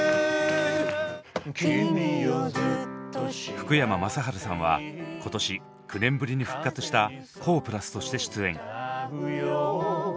福山雅治さんは今年９年ぶりに復活したＫＯＨとして出演。